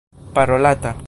parolata